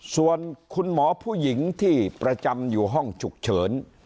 ส่วนคุณหมอผู้หญิงที่ประจำอยู่ห้องฉุกเฉิน